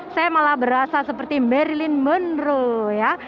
saya malah berasa seperti marilyn monroe ya